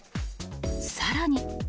さらに。